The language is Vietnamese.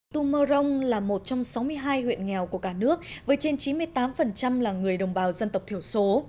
tum mơ rông là một trong sáu mươi hai huyện nghèo của cả nước với trên chín mươi tám là người đồng bào dân tộc thiểu số